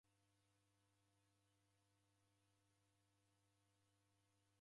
Efwana diw'e midi cha modenyi